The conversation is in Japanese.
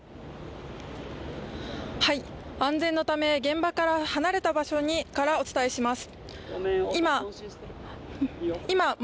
安全のため現場から離れた場所からお伝えします。